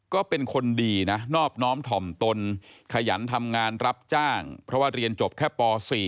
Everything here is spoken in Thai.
ก็เป็นคนดีนะนอบน้อมถ่อมตนขยันทำงานรับจ้างเพราะว่าเรียนจบแค่ป๔